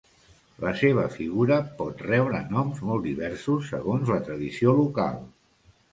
La seva figura pot rebre noms molt diversos segons la tradició local.